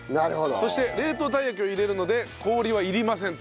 そして冷凍たい焼きを入れるので氷はいりませんと。